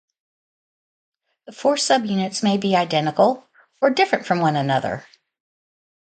The four subunits may be identical, or different from one another.